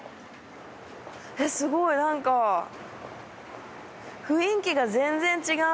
すごいなんか雰囲気が全然違う。